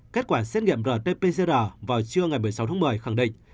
kết quả xét nghiệm rt pcr vào trưa ngày một mươi sáu tháng một mươi khẳng định